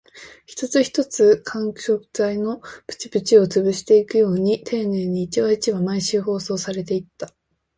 一つ一つ、緩衝材のプチプチを潰していくように丁寧に、一話一話、毎週放送されていった